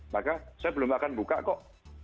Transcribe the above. maka saya belum akan buka kok